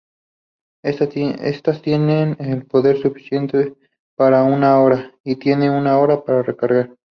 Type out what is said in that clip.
Estas tienen el poder suficiente para una hora y tienen una hora para recargar.